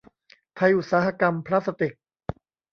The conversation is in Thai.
ไทยอุตสาหกรรมพลาสติก